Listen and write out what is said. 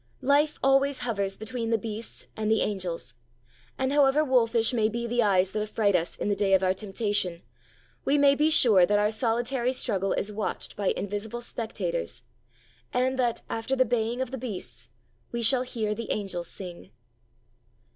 Life always hovers between the beasts and the angels; and however wolfish may be the eyes that affright us in the day of our temptation, we may be sure that our solitary struggle is watched by invisible spectators, and that, after the baying of the beasts, we shall hear the angels sing.